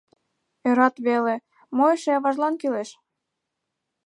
Ӧрат веле, мо эше аважлан кӱлеш?